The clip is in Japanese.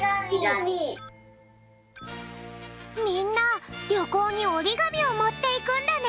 みんなりょこうにおりがみをもっていくんだね！